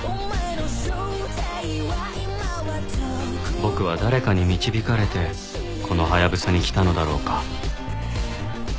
僕は誰かに導かれてこのハヤブサに来たのだろうか